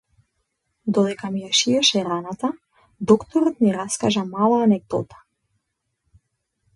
Додека ми ја шиеше раната докторот ни раскажа мала анегдота.